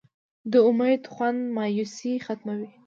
د امید خوند مایوسي ختموي.